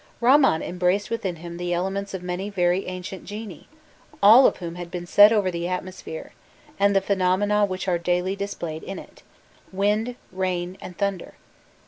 Ramman embraced within him the elements of many very ancient genii, all of whom had been set over the atmosphere, and the phenomena which are daily displayed in it wind, rain, and thunder.